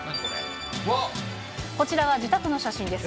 こちらは自宅の写真です。